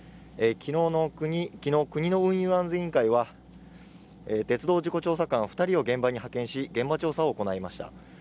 昨日の国の運輸安全委員会は鉄道事故調査官二人を現場に派遣し現場調査を行いました